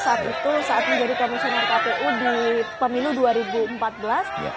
saat itu saat menjadi komisioner kpu di pemilu dua ribu empat belas